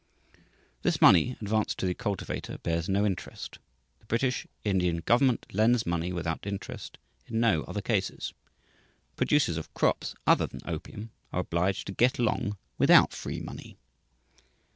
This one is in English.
This money advanced to the cultivator bears no interest. The British Indian government lends money without interest in no other cases. Producers of crops other than opium are obliged to get along without free money.